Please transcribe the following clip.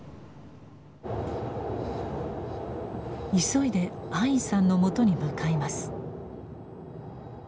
急いでアインさんのもとに向かいます。